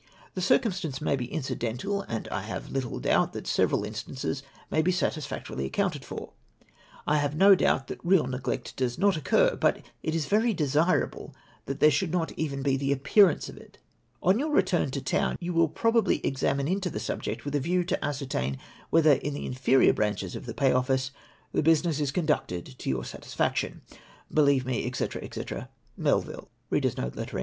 The circumstance may be accidental, and I have little doubt that the several instances may be satisfactorily accounted for. ... 1 have no doubt that real neglect does not occiu , but it is very desirable that there should not be even the appearance of it. On your return to town, you will probably examine into the subject, with a view to ascertain whether in the inferior branches of the Pay Office, the business is conducted to your satisfaction. " Believe me, &c. &c. " Melville."